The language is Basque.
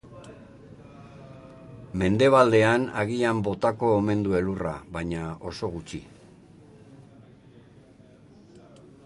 Mendebaldean agian botako omen du elurra, baina oso gutxi.